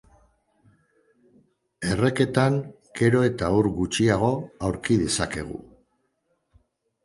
Erreketan gero eta ur gutxiago aurki dezakegu.